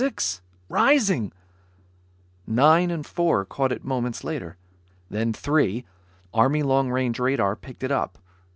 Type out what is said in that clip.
rising " Nine and Four caught it moments later. Then Three, Army long range radar, picked it up.